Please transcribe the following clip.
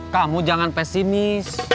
kamu jangan pesimis